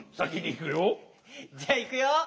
じゃあいくよ！